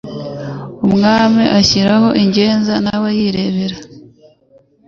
Umwami ashyiraho ingenza na we yirebera